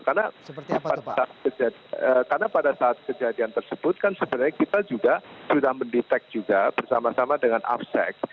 karena pada saat kejadian tersebut kan sebenarnya kita juga sudah mendetect juga bersama sama dengan afc